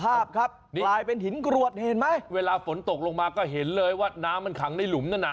ภาพครับนี่กลายเป็นหินกรวดเห็นไหมเวลาฝนตกลงมาก็เห็นเลยว่าน้ำมันขังในหลุมนั่นน่ะ